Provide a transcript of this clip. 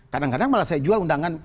kadang kadang malah saya jual undangan